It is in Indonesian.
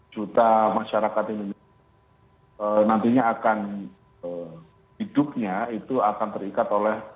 dua puluh juta masyarakat indonesia nantinya akan hidupnya itu akan terikat oleh